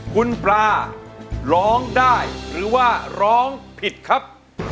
คุณปลาร้องได้หรือว่าร้องผิดครับ